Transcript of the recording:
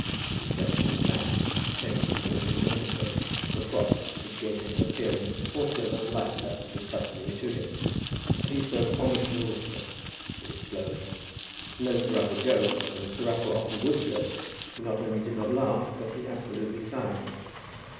He was dressed in black, and had changed his ordinary morning coat for a frock, which gave him an appearance altogether unlike that which was customary to him. And he spoke almost in a whisper, very slowly; and when Sir Raffle joked, and Sir Raffle often would joke, he not only did not laugh, but he absolutely sighed.